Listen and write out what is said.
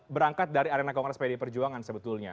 berangkat dari arena kongres pdi perjuangan sebetulnya